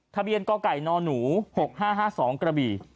ทะเบียนกไก่นหนู๖๕๕๒กระบี่